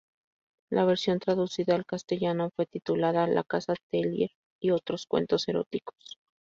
La versión traducida al castellano fue titulada "La casa Tellier y otros cuentos eróticos".